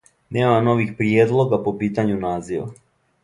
Нема нових приједлога по питању назива.